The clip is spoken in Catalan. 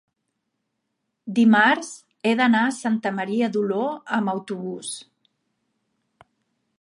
dimarts he d'anar a Santa Maria d'Oló amb autobús.